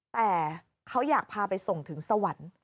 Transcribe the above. แต่เขาอยากพาไปส่งถึงสวรรค์